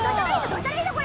どうしたらいいの？